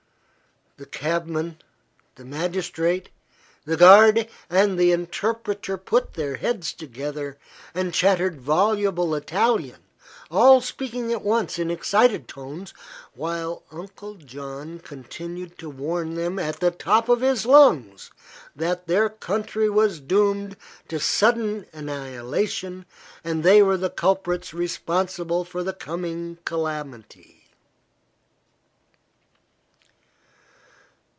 The cabman, the magistrate, the guarde and the interpreter put their heads together and chattered voluble Italian all speaking at once in excited tones while Uncle John continued to warn them at the top of his lungs that their country was doomed to sudden annihilation and they were the culprits responsible for the coming calamity.